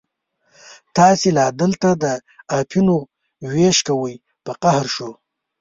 تاسې لا دلته د اپینو وېش کوئ، په قهر شو.